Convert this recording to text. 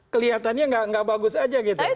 kelihatannya nggak bagus aja gitu